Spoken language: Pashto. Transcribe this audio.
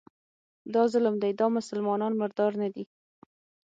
دا ظلم دی، دا مسلمانان مردار نه دي